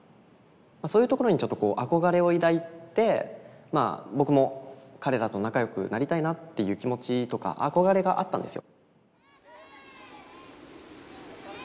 そういうところにちょっとこう憧れを抱いてまあ僕も彼らと仲良くなりたいなっていう気持ちとか憧れがあったんですよ。